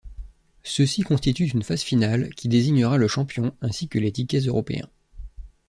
Ceux-ci constituent une phase finale qui désignera le champion ainsi que les tickets européens.